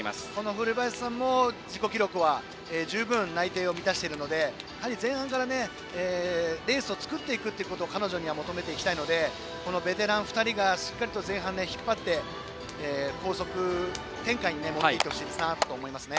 古林さんも自己記録は十分、内定を満たしているので前半からレースを作っていくこと彼女には求めていきたいのでベテラン２人が前半引っ張って高速展開に持っていってほしいですね。